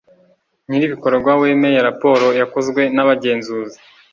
nyir ibikorwa wemeye raporo yakozwe n abagenzuzi